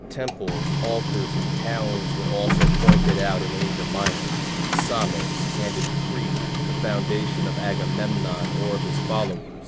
Temples, altars, and towns were also pointed out in Asia Minor, in Samos, and in Crete, the foundation of Agamemnon or of his followers.